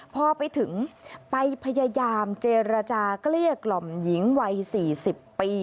พอไปถึงไปพยายามเจรจาเกลี้ยกล่อมหญิงวัย๔๐ปี